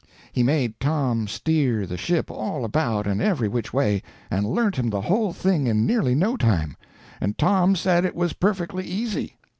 He made Tom steer the ship all about and every which way, and learnt him the whole thing in nearly no time; and Tom said it was perfectly easy.